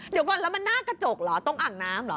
เดี๋ยวก่อนแล้วมันหน้ากระจกเหรอตรงอ่างน้ำเหรอ